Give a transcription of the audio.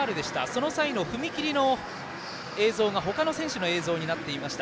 その際の踏み切りの映像が他の選手の映像になっていました。